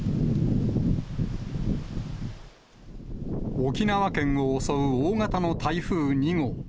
沖縄県を襲う大型の台風２号。